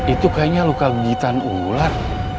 itu kayaknya luka gigitan ular